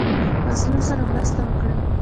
مظلوم سره مرسته وکړئ